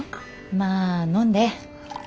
まあ飲んで。